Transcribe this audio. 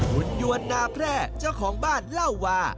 คุณยวนนาแพร่เจ้าของบ้านเล่าว่า